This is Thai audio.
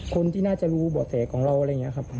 คนที่น่าจะรู้เบาะแสของเราอะไรอย่างนี้ครับ